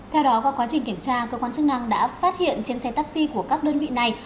theo đó qua quá trình kiểm tra cơ quan chức năng đã phát hiện trên xe taxi của các đơn vị này